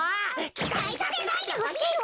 きたいさせないでほしいってか！